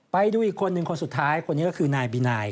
ไปดูอีกคนนึงคนสุดท้าย